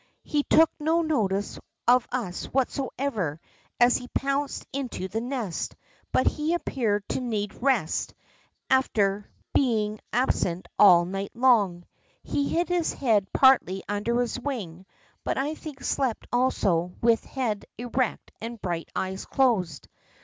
He took no notice of us Avhatever as he pounced into the nest, but he appeared to need rest after 62 THE ROCK FROG being absent all night long. lie hid his head partly under his wing, but I think slept also with head erect and bright eyes closed.